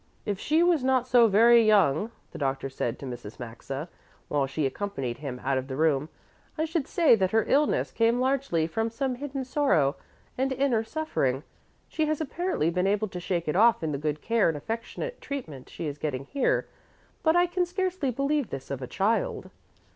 "If she was not so very young," the doctor said to Mrs. Maxa while she accompanied him out of the room, "I should say that her illness came largely from some hidden sorrow and inner suffering. She has apparently been able to shake it off in the good care and affectionate treatment she is getting here. But I can scarcely believe this of a child."